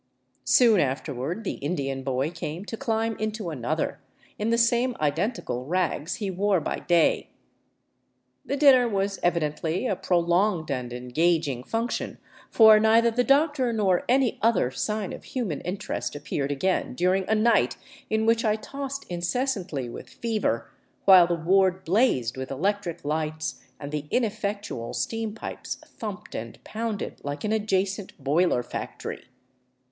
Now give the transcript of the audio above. Soon afterward the Indian boy came to climb into another, in the same identical rags he wore by day. The dinner was evidently a pro longed and engaging function, for neither the doctor nor any other sign of human interest appeared again during a night in which I tossed incessantly with fever, while the ward blazed with electric lights and the ineffectual steam pipes thumped and pounded like an adjacent boiler factory.